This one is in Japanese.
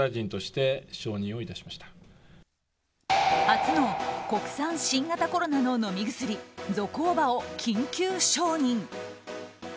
初の国産、新型コロナの飲み薬ゾコーバを緊急承認。